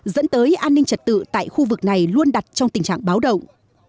dẫn tới an ninh trật tự tại khu vực này luôn đặt trong tình trạng báo động